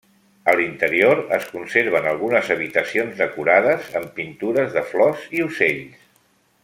A l'interior es conserven algunes habitacions decorades amb pintures de flors i ocells.